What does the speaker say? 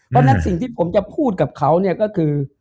เพราะฉะนั้นสิ่งที่ผมจะพูดกับเขาเนี่ยก็คือ